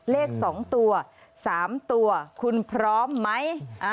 เลข๒ตัว๓ตัวคุณพร้อมไหม